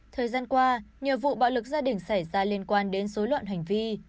thời gian qua nhiều vụ bạo lực gia đình xảy ra liên quan đến dối loạn hành vi